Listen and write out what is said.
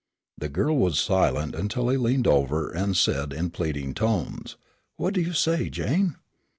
The girl was silent until he leaned over and said in pleading tones, "What do you say, Jane?"